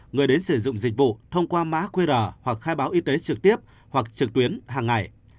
người đến sử dụng dịch vụ thông qua mã qr hoặc khai báo y tế trực tiếp hoặc trực tuyến hàng ngày